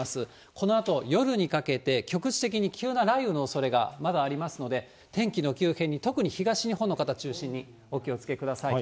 このあと夜にかけて、局地的に急な雷雨のおそれがまだありますので、天気の急変に特に東日本の方中心にお気をつけください。